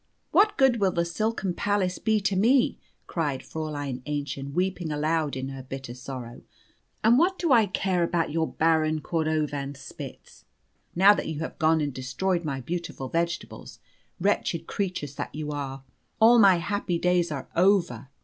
"What good will the silken palace be to me?" cried Fräulein Aennchen, weeping aloud in her bitter sorrow. "And what do I care about your Baron Cordovanspitz, now that you have gone and destroyed my beautiful vegetables, wretched creatures that you are. All my happy days are over."